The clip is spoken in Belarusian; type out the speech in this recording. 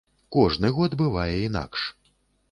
Кожны год бывае інакш.